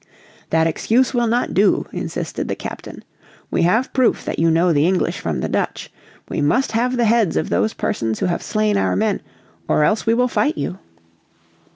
"That excuse will not do," insisted the captain. "We have proof that you know the English from the Dutch. We must have the heads of those persons who have slain our men, or else we will fight you."